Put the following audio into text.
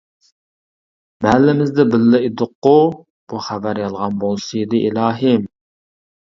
مەھەلىمىزدە بىللە ئىدۇققۇ؟ بۇ خەۋەر يالغان بولسىدى ئىلاھىم!